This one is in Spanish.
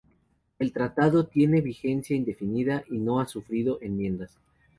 El tratado tiene vigencia indefinida y no ha sufrido enmiendas.